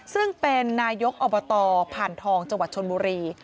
ซึ่งเป็นนายกอบตผ่านทองจังหวัดชนบุรี